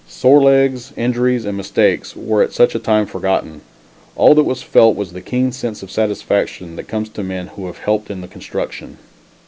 Sore legs, injuries and mistakes were at such a time forgotten. All that was felt was the keen sense of satisfaction that comes to men who have helped in the construction.